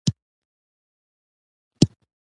• واده د حقیقي همکارۍ مثال دی.